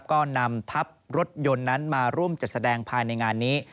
ก็นำทัพรถยนต์นั้นมาร่วมจัดแสดงภายในงานนี้